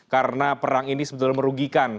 karena perang ini sebetulnya merugikan